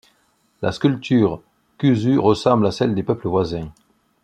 La sculpture kusu ressemble à celle des peuples voisins.